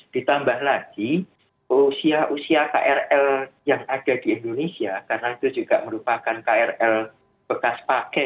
ditambah lagi usia usia krl yang ada di indonesia karena itu juga merupakan krl bekas pakai